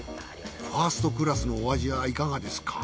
ファーストクラスのお味はいかがですか？